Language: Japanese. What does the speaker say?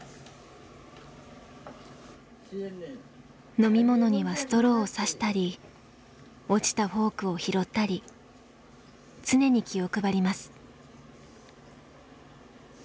飲み物にはストローをさしたり落ちたフォークを拾ったり常に気を配ります。